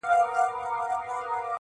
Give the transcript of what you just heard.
که پنجشېر دی، که واخان دی، وطن زما دی!